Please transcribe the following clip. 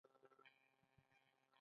خو علاج يې نه و سوى.